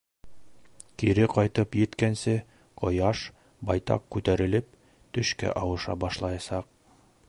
Кире ҡайтып еткәнсе ҡояш, байтаҡ күтәрелеп, төшкә ауыша башлаясаҡ.